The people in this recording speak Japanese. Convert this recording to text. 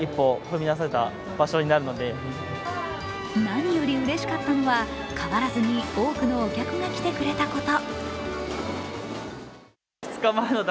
何よりうれしかったのは変わらずに多くのお客が来てくれたこと。